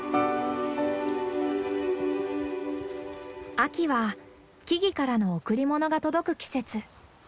秋は木々からの贈り物が届く季節。